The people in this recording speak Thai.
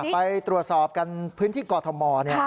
ไปตรวจสอบกันพื้นที่กอทม